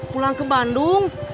pulang ke bandung